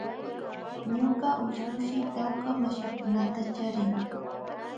Ñuka ushushi tawka mashikunata charin